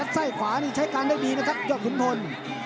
ใส่ขวานี่ใช้การได้ดีนะครับยกทุนทน